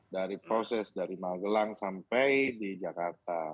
dari proses dari magelang sampai di jakarta